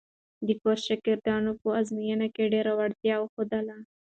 د کورس شاګردانو په ازموینو کې ډېره وړتیا وښودله.